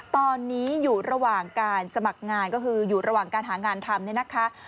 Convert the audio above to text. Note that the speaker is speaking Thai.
ตอนนี้อยู่ระหว่างการสมัครงานก็คืออยู่ระหว่างการหางานทำเนี่ยนะคะ